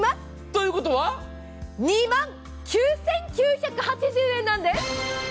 ということは、２万９９８０円なんです。